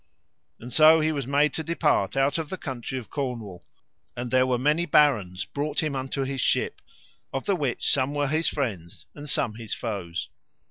And so he was made to depart out of the country of Cornwall; and there were many barons brought him unto his ship, of the which some were his friends and some his foes.